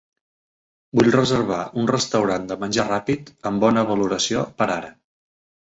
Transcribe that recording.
Vull reservar un restaurant de menjar ràpid amb bona valoració per ara.